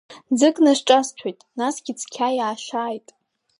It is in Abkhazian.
Ӡык насҿасҭәоит, насгьы цқьа иаашааит.